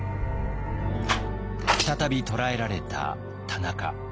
再び捕らえられた田中。